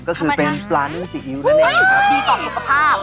ก็คือเป็นปลานึ่งซีอิ๊วนะเนี่ยครับ